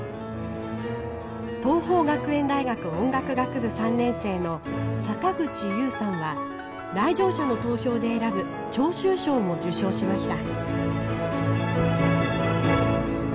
桐朋学園大学音楽学部３年生の来場者の投票で選ぶ聴衆賞も受賞しました。